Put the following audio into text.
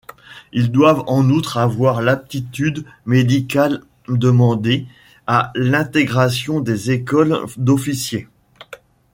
Ils doivent en outre avoir l'aptitude médicale demandée à l'intégration des Écoles d'officiers.